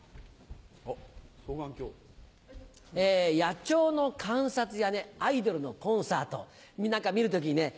・あっ双眼鏡・野鳥の観察やアイドルのコンサートなんか見る時にね